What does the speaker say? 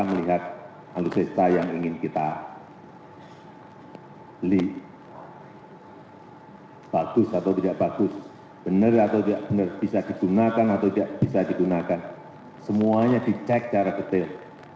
melihat alutsista yang ingin kita beli bagus atau tidak bagus benar atau tidak benar bisa digunakan atau tidak bisa digunakan semuanya dicek secara detail